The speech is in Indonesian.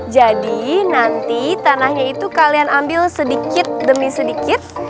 nanti tanahnya itu kalian ambil sedikit demi sedikit